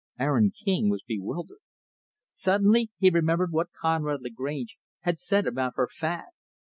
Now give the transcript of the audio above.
Aaron King was bewildered. Suddenly, he remembered what Conrad Lagrange had said about her fad.